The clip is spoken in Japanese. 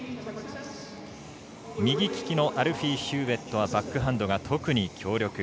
右利きのアルフィー・ヒューウェットはバックハンドが特に強力。